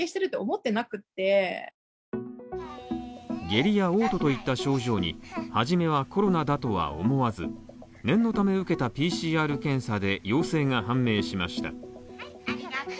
下痢やおう吐といった症状にはじめはコロナだとは思わず念のため受けたＰＣＲ検査で陽性が判明しました。